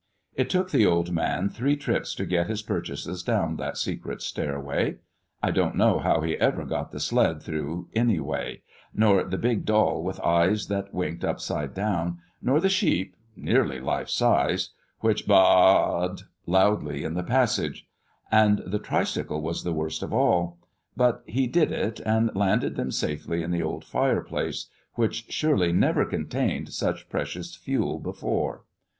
It took the old man three trips to get his purchases down that secret stairway. I don't know how he ever got the sled through anyway; nor the big doll with eyes that winked upside down, nor the sheep, nearly life size, which baa ed loudly in the passage; and the tricycle was the worst of all; but he did it and landed them safely in the old fireplace, which surely never contained such precious fuel before.